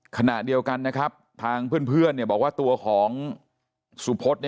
ขณะเดียวกันนะครับทางเพื่อนเนี่ยบอกว่าตัวของสุพฤษฐ์เนี่ย